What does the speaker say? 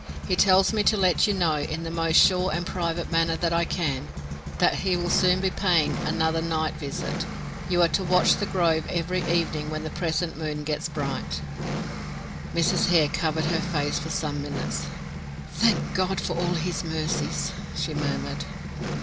He tells me to let you know, in the most sure and private manner that I can, that he will soon be paying another night visit. You are to watch the grove every evening when the present moon gets bright." Mrs. Hare covered her face for some minutes. "Thank God for all his mercies," she murmured.